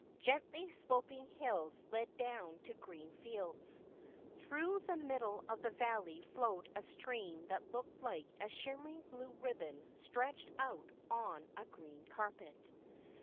Gently sloping hills led down to green fields. Through the middle of the valley flowed a stream that looked like a shimmering blue ribbon stretched out on a green carpet.